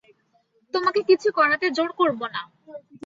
তোমাকে কিছু করাতে জোর করব না।